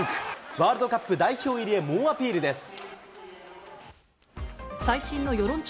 ワールドカップ代表入りへ、猛アピールです。